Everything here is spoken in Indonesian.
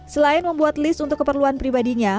selain membuat list untuk keperluan pribadinya